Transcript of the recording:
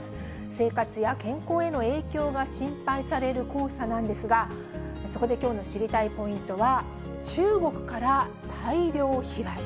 生活や健康への影響が心配される黄砂なんですが、そこできょうの知りたいポイントは、中国から大量飛来。